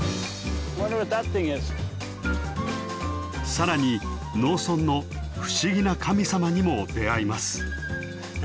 更に農村の「不思議な神様」にも出会います。